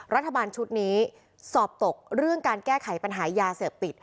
รัฐบาลชุดนี้สอบตกเรื่องการแก้ไขปัญหายาเสพติด